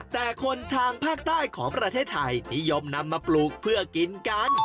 แต่คนทางภาคใต้ของประเทศไทยนิยมนำมาปลูกเพื่อกินกัน